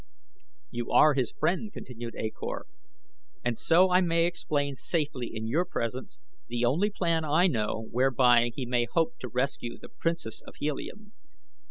"You are his friend," continued A Kor, "and so I may explain safely in your presence the only plan I know whereby he may hope to rescue the Princess of Helium.